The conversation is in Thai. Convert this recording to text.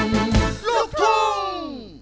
ลูกทุ่ง